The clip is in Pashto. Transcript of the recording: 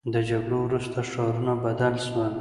د جګړو وروسته ښارونه بدل سول.